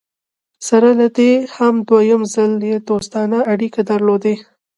سره له دې چې دوهم ځل یې دوستانه اړیکي درلودې.